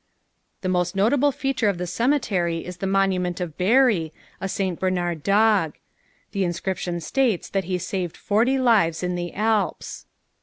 _" The most notable feature of the cemetery is the monument of Barry, a St. Bernard dog. The inscription states that he saved forty lives in the Alps.